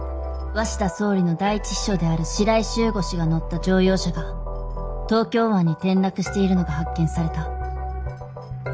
鷲田総理の第一秘書である白井柊吾氏が乗った乗用車が東京湾に転落しているのが発見された。